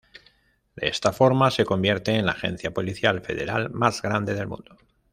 De esta forma se convierte en la agencia policial federal más grande del mundo.